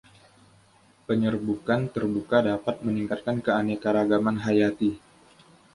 Penyerbukan terbuka dapat meningkatkan keanekaragaman hayati.